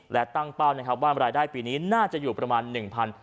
และตั้งเป้านะครับว่ารายได้ปีนี้น่าจะอยู่ประมาณ๑๐๐บาท